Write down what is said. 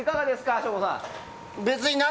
省吾さん。